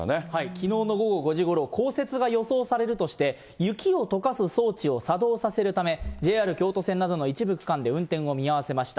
きのうの午後５時ごろ、降雪が予想されるとして、雪をとかす装置を作動させるため、ＪＲ京都線などの一部区間で運転を見合わせました。